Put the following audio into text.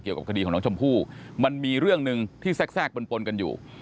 เกี่ยวกับคดีของน้องชมพู่มันมีเรื่องหนึ่งที่แทรกปนปนกันอยู่